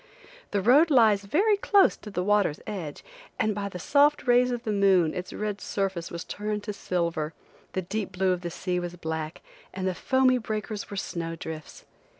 The road lies very close to the water's edge, and by the soft rays of the moon its red surface was turned to silver, the deep blue of the sea was black, and the foamy breakers were snow drifts.